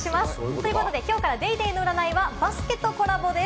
ということで、きょうから『ＤａｙＤａｙ．』の占いはバスケとコラボです。